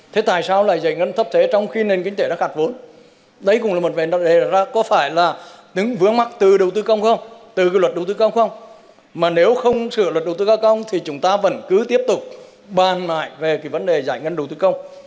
với vấn đề này có ý kiến đề này có phải là đứng vướng mắt từ đầu tư công không từ luật đầu tư công không mà nếu không sửa luật đầu tư công thì chúng ta vẫn cứ tiếp tục bàn lại về vấn đề giải ngân đầu tư công